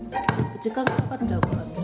時間かかっちゃうから。